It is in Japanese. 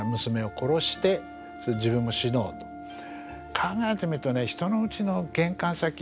考えてみるとね人のうちの玄関先行ってね